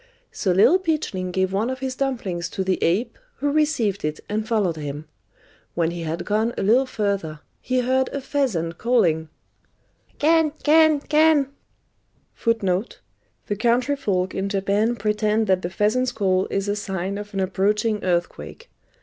So Little Peachling gave one of his dumplings to the ape, who received it and followed him. When he had gone a little further, he heard a pheasant calling "Ken! ken! ken! where are you off to, Master Peachling?" [Footnote 54: The country folk in Japan pretend that the pheasant's call is a sign of an approaching earthquake.